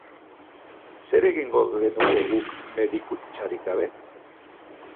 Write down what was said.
Zer egingo genuke guk medikuntzarik gabe?